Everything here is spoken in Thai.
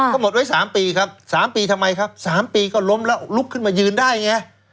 ก็หมดไว้๓ปีครับ๓ปีทำไมครับ๓ปีก็ล้มแล้วลุกขึ้นมายืนได้ไง